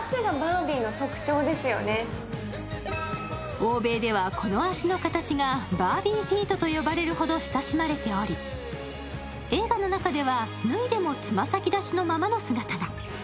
欧米では、この足の形がバービーフィートと呼ばれるほど親しまれており映画の中では脱いでも爪先立ちのままの姿が。